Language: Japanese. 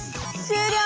終了！